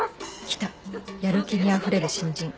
来たやる気にあふれる新人